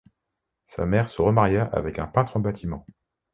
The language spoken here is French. Sa mère se remaria avec un peintre en bâtiment.